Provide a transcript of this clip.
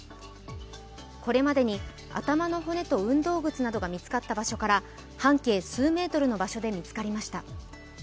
これまでに頭の骨と運動靴などが見つかった場所から半径数メートルの場所で見つかりました。